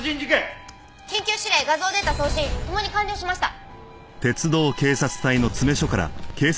緊急指令画像データ送信共に完了しました。